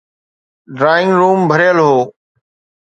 Drawing room ڀريل هو.